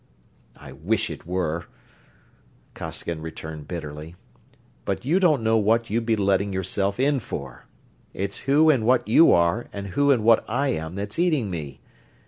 "I wish it were," Costigan returned bitterly, "but you don't know what you'd be letting yourself in for. It's who and what you are and who and what I am that's eating me.